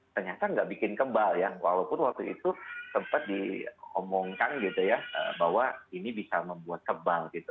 ternyata nggak bikin kebal ya walaupun waktu itu sempat diomongkan gitu ya bahwa ini bisa membuat kebal gitu